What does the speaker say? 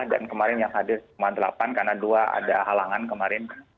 dan kemarin yang hadir kemarin delapan karena dua ada halangan kemarin